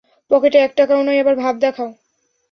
পকেটে এক টাকাও নাই, আবার ভাব দেখাও।